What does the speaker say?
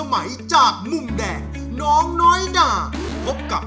มาชมกันครับ